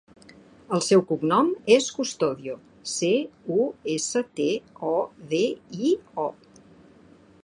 El seu cognom és Custodio: ce, u, essa, te, o, de, i, o.